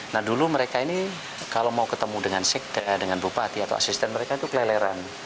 nah dulu mereka ini kalau mau ketemu dengan sekda dengan bupati atau asisten mereka itu keleleran